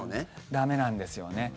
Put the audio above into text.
駄目なんですよね。